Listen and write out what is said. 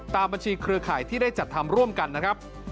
ตามบัญชีเครือข่ายที่ได้จัดทำร่วมกันนะครับ